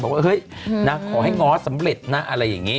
บอกว่าเฮ้ยขอให้ง้อสำเร็จนะอะไรแบบนี้